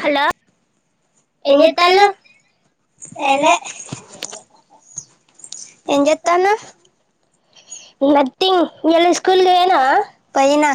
hello ఏం చేత్తాన్లు ఏం లే ఇత్తనా నథింగ్గ్ ఎళ స్కూల్గా అనా పోయిన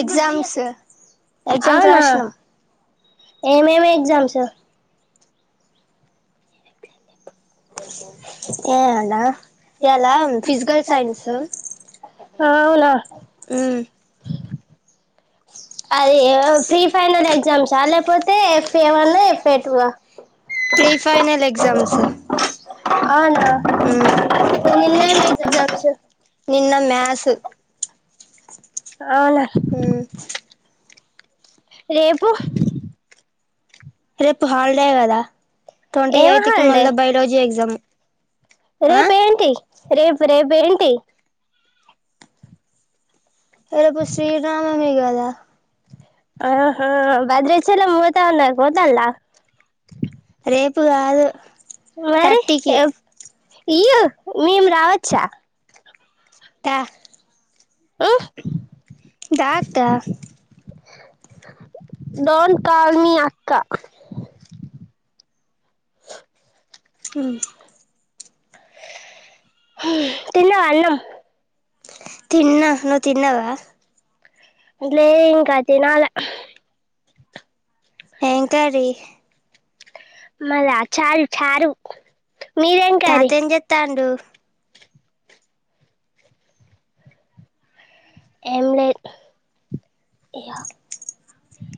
ఎగ్జామ్స్ ఎగ్జామ్స్ అవునా రాసిన ఏమేమి ఎగ్జామ్స్ ఏ అలా ఎలా ఫిజికల్ సైన్స్ ఆ అవునా మ్మ్ అది ప్రీ ఫైనల్ ఎగ్జామ్సా లేకపోతే ఎఫేవాన్నా ఎస్సే టు నా ప్రీ ఫైనల్ ఎగజామ్స్ అవున నిన్న మాథ్స్ అవునా రేపు రేపు హాలిడే కదా ట్వంటీ ఏం ఎయిత్ కి మళ్ళ బయాలజీ ఎగ్జామ్ ఆ రేపు ఏంటి రేపు రేపు ఏంటి అదేపు శ్రీరామ మీ కాద ఆహా బద్రచలో మూతవన్నా గదల రేపు కాదు మరి థర్టీకి ఇ మేం రావచ్చా త ఆ దా అక్క డోం కాల్ మీ అక్క [unintelligible] హ తిన్న అన్నాం తిన్నా నువ్వు తిన్నావా లే ఇంకా తినాలా ఏం కర్రీ మాదే చాలు చారు మీదేం తాత కర్రీ ఏం చెస్తాండు ఏం లేదు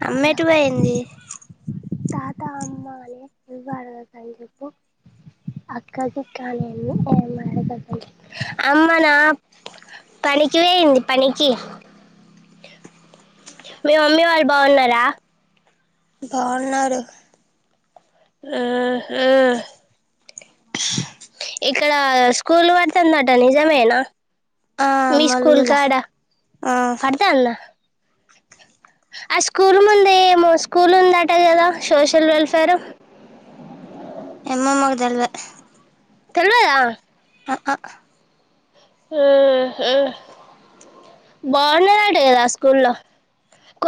అమ్మా ఎటు పోయింది తాత అమ్మ అనే ఇవవాడు కద అని చెప్పు అక్క కాడ అమ్మా నా పనికి వేయింది పని కి మీ మమ్మీ వాళ్ళు బాగున్నారా బాగున్నారు ఆ ఇక్కడ స్కూల్ పడుతుందట నిజమేనా ఆ మీ స్కూల్ మలుగుల కడా ఆ పడద అన్నా ఆ స్కూల్ ముంద ఏమో స్కూల్ ఉందట కదా సోషల్ వెల్ఫేర్ ఆ [unintelligible] ఏమో మాకు తెలియదు తెలువదా [unintelligible] [inaudible] బాగున్నదడదా స్కూల్ లో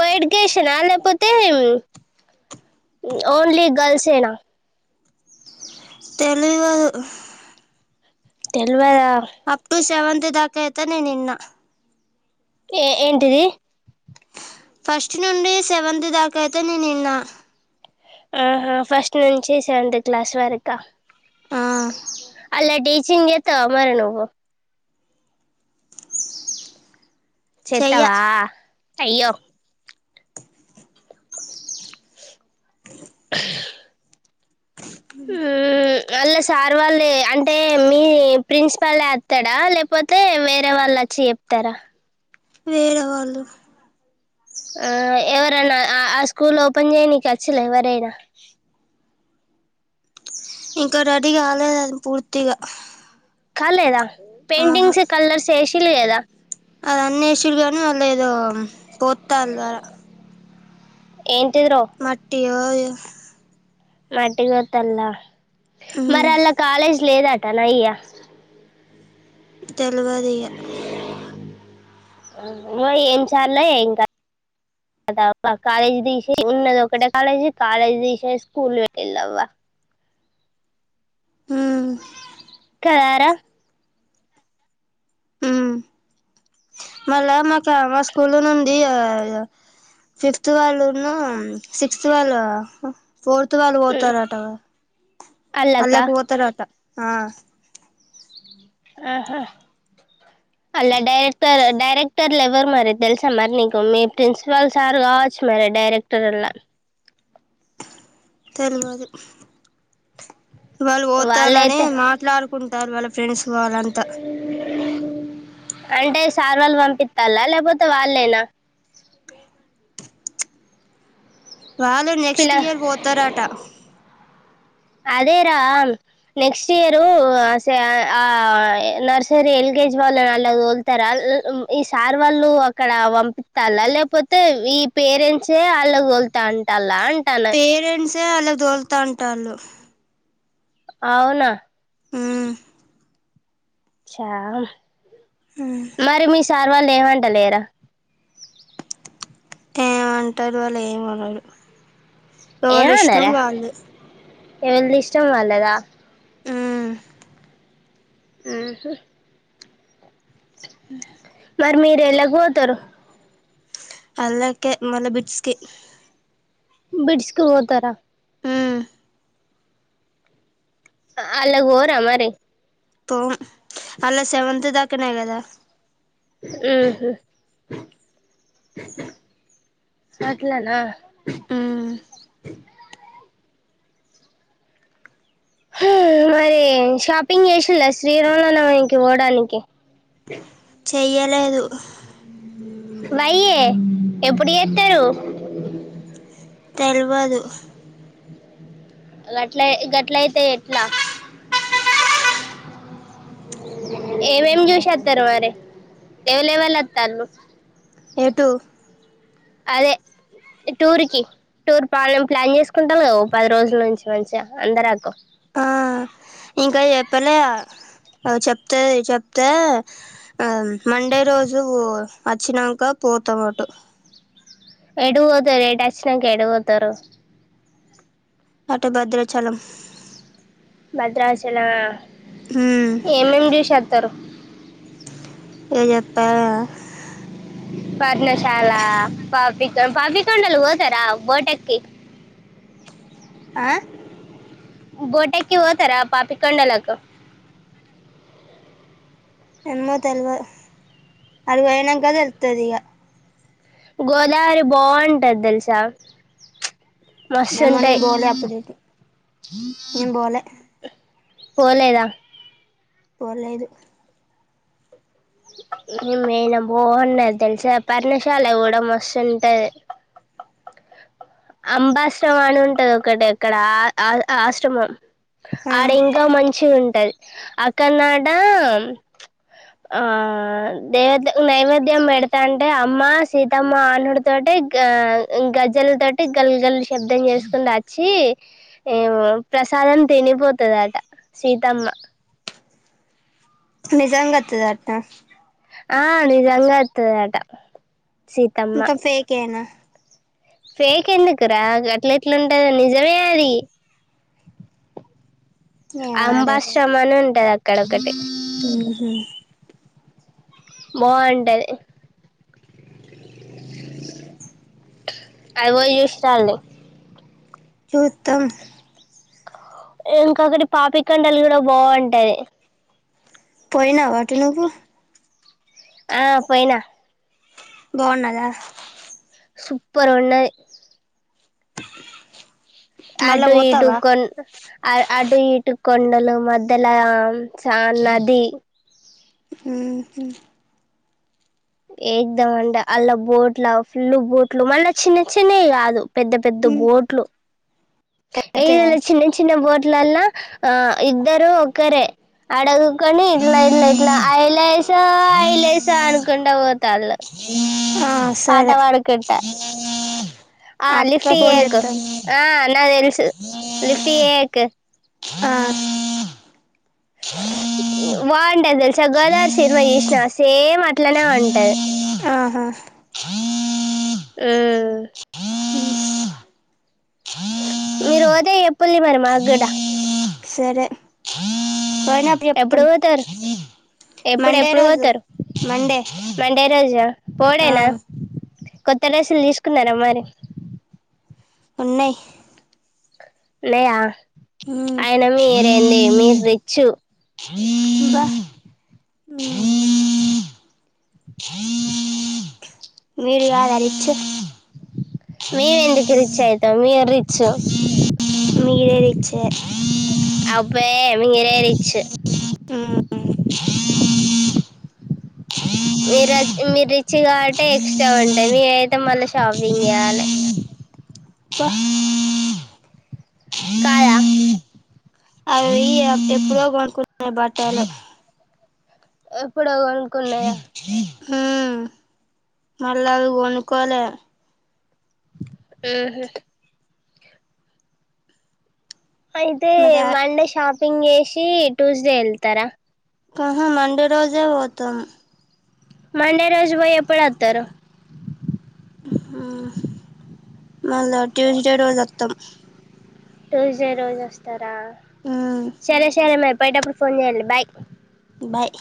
కోఎడ్యుకేషన్ ఆ లేపోతే ఓన్లీ గర్ల్స ఏనా తెలియదు తెల్వదా అప్ టు సెవెంత్ దాకా ఐతె నేను నిన్న ఏ ఏంటిది ఫస్ట్ నుండి సెవెంత్ దాకాయైతే నే నిన్నా ఆహా ఫస్ట్ నుంచి సెవెంత్ క్లాస్ వరకా ఆ అలా డీసీ సింగ్ ఏస్తావా మరి నువ్వు చెయ్య చెత్తావా అయ్యో [inaudible] అ మ్మ్ అళ్ళ సార్ వాళ్ళు అంటే మీ ప్రిన్సిపల్ అస్తాడా లేకపోతే వేరే వాళ్ళు వ చెప్తారా వేరే వాళ్ళు ఆ ఎవరైనా ఆ స్కూల్ ఓపెన్ చేయనీకి అచ్చల్లా ఎవరైనా ఇంకా రెడీ కాలేదు అది పూర్తిగా కాలేదా పేటింగ్స కలర్ వేసిల్లు గదా అద అన్నేషిడుగానీ వాళ్ళ ఏదో పొత్తాల ఆడ ఏంటిదిరో మట్టియొ మట్టిగతల్లా ఉమ్ మరి అలా కాలేజీ లేదట నయ్యా తెలవదియ ఏం చేయాలో ఇంకా కాలేజ్ దసేసి ఉన్నది ఒకటె కాలేజ్ కాలేజ్ దసేసి స్కూల్ వెట్టిల్లు అవ్వ ఊ గార ఉమ్ [inaudible] మళ్ళా మాకు మా స్కూల్ నుండి ఫిఫ్త్ వాళ్ళును సిక్స్త్ వాళ్ళు ఫోర్త్ వాళ్ళు పోతారట అల్లక అళ్ళకి పోతారట ఆ ఆహా అలా డైరెక్టర్ డైరెక్టర్లు ఎవరు మరి తెలుసా మరి నీకు మీ ప్రిన్సిపల్ సార్ కావచ్చు మరి డైరెక్టర్ అలా తెలియదు వాళ్ళు పోతానని వాళ్ళైతే మాట్లాడుకుంటు రు వాళ్ళ ఫ్రెండ్స్ వాలంతా అంటే సార్ వాళ్ళు పంపిస్తాల లేకపోతే వాళ్ళేనా వాళ్ళు నెక్స్ట్ పిల్ల ఇయర్ పోతారట అదేరా నెక్స్ట్ ఇయరు ఆ సో ఆ నర్సరి ఎల్ కేజ వాళ్ళు అలా తోలుతారా ఈ సార్ వాళ్ళు అక్కడ పంపిస్తాలా లేకపోతే ఈ పేరెంట్సే వాళ్ళకొలుతా అంటా అలా అంట పేరెంట్సే వాళ్లాక్దొలుతాంట వాళ్ళు అవునా ఊ అ మరి మీ సార్వా లేవాంట లేరా ఏమంటారు వాళ్ళు ఏమ అనరు ఎవరిష్టం వాళ్ళది ఎవరి ఇష్టం వాళ్ళదా ఊ ఊహూ [unintelligible] మీరేల్లకువోతారు అల్లాకే మళ్ళ బిట్స్కి బిడ్స్కు పోతారా ఆ అల్లకి వొర మరి పో అలా సెవంత తాకన కదా ఆహా అట్లానా ఉమ్ [unintelligible] మరి షాపింగ్ చేసిల్ల శ్రీరాంలోనేకి పోవడానికి [unintelligible] చెయ్యలేదు వయ్యే ఎప్పుడు చేస్తారు తెల్వదు గట్ల గట్ల అయితే ఎట్లా ఏమ ఏం జుస అత్తారు మరి ఏవలేవల అ తలు ఎటు అదే టూర్ కి టూర్ పానం ప్లాన్ చేసుకుంటాం కద పది రోజుల నుంచి మంచిగా అందరకు ఆ ఇంకా చెప్పలే చెప్తే మండే రోజు వచ్చినాక పోతమటు అటువోతారు ఏటోచ్చినంక ఎటువొతారు అటు భద్రాచలం భద్రాచల ఉమ్ ఏమేం చూసేస్తారు ఇగ జెప్పాలా పర్నశాల పాపిక పాపికండల్ ఓతారా బోటెక్కి [unintelligible] ఆ బోటాక్కి ఓతారా పాపి కొండలాకి ఎమ్మో తెల్వదు అడు ఓయ్నంక ఇల్తుదిగ గోదావరి బాగుంటది తెలుసా ఏమో మసండై నేను పోలే అప్పుడు ఇటు నేను పోలే పోలేదా పోలేదు [unintelligible] యినా బాగున్నది తెలిసా పర్ణశాల కూడా మస్తుంటది అంబాశ్రమ అని ఉంటది ఒకటి అక్కడ ఆ ఆ ఆశ్రమం ఆ ఆడ ఇంకా మంచి ఉంటది అక్కనాటా ఆ దేవత నైవేద్యం పెడతాంటే అమ్మ సీతమ్మ ఆనుడు తోటి గజ్జల గల్ గల్ గల్లు శబ్దం చేసుకుని వచ్చి ప్రసాదం తినిపోతుంద అట సీతమ్మ నిజంగా అతధాంటానా అట్ట ఆ నిజంగా అతుదాట అంత ఫేకేనా ఫేక్ ఎందుకురా గ అట్ల ఎట్లుంటందో నిజమే అది ఏమో అంబాశ్రమాని ఉంటది అక్కడ ఒకటి ఆహ బాగుంటది అగొ జూస్తానండు చూద్దం ఇంకోకటి పాపికొండలు కూడా బాగుంటాయి పోయినా వాటు నువ్వు ఆ పోయినా బగున్నయ సూపర్ ఉన్నాయి మళ్ళా ఆటు ఇటు పోతావా కొండలు అటు ఇటు కొండలు మధ్యలో ఆ సా నది ఉ ఏక్ దమ్ అంటే అలా బోట్ల ఫుల్లు బోట్లు మళ్ళా చిన్న చిన్నవి కాదు పెద్ద పెద్ద పెద్ద బోట్లు ఈడా చిన్న చిన్న బోట్లల్లా ఆ ఇద్దరు ఒకరే అడగ కాని ఇట్లా ఇట్ల ఇట్ల ఎయిల్సా ఎయిల్సా అనుకుండా పోత అల్ ఆ పాట సరే పాడు కుంట ఆ అక్క లిఫ్ట్ ఫోన్ ఏకు చేత్తాంది ఆ నా తెలుసు లిఫ్ట్ ఏయక్ ఆ ర్ బాగుంటది తెలుసా గోదావరి సినిమా చూసిన సేమ్ అట్లనే ఉంటది ఆహా ఉమ్ మీరు పోతే చెప్పండి మరి మాకు కూడా సరే పోయినాక చెప్తాం ఎప్పుడు పోతారు ఎప్పుడు మండే ఎప్పుడు రోజు పోతారు మండే మండే రోజ ఆ పోడేనా కొత్త డ్రెస్సులు తీసుకున్నారా మరి ఉన్నాయ్ లేయా మ్మ్ అయినా మీరేంది మీరు రిచ్ ఆ మీరు కాదా రిచ్చు మేము ఎందుకు రిచ్ అవుతాం మీరు రిచ్ మీరు రిచ్చే అబ్బే మీరే రిచ్చి ఆ మీరు మీరు రిచ్ కాబట్టే ఎక్స్ట్రా ఉంటాయి మీ అయితే మళ్ళా షాపింగ్ చేయాలి కాదా అవి అప్పుడెప్పుడో కొనుక్కున్నాయి బట్టల ఎప్పుడో కొనుకున్నాయా మ్మ్ మళ్ళీ అవి కొనుకోలే ఆహ అయితే మా డా మండే షాపింగ్ చేసి ట్యూస్డే వెళ్తారా ఆహా మండే రోజే పోతాము మండే రోజు పోయి ఎప్పుడొతారు మళా ట్యూస్డే రోజత్తాం ట్యూస్డే రోజు వస్తారా మ్మ్ సరే సరే మరిపోయేటప్పుడు ఫోన్ చెయ్యండి బాయ్ బాయ్